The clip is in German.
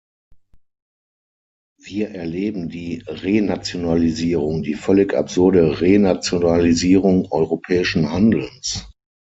Wir erleben die Renationalisierung die völlig absurde Renationalisierung europäischen Handelns.